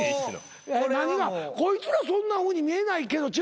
こいつらそんなふうに見えないけど違うのか？